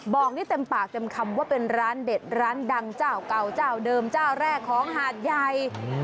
บอกได้เต็มปากเต็มคำว่าเป็นร้านเด็ดร้านดังเจ้าเก่าเจ้าเดิมเจ้าแรกของหาดใหญ่